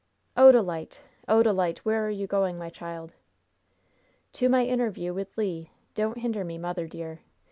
"Odalite! Odalite! where are you going, my child?" "To my interview with Le! Don't hinder me, mother, dear!